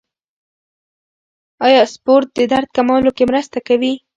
آیا سپورت د درد کمولو کې مرسته کوي؟